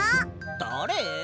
だれ？